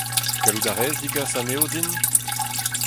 Gallout a rez degas anezho din ?